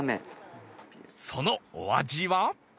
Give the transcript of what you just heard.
そのお味は？